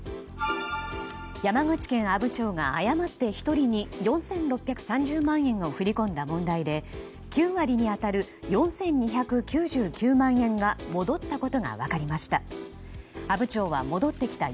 山口県阿武町が誤って１人に４６３０万円を振り込んだ問題で９割に当たる４２９９万円が戻ったことが分かりました。